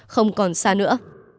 không còn xa nữa